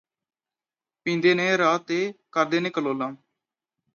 ਪੀਂਦੇ ਨੇ ਰੱਤ ਤੇ ਕਰਦੇ ਨੇ ਕਲੋਲਾਂ